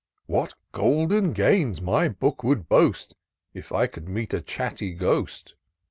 What golden gains my book would boast, If I could meet a chatty ghost.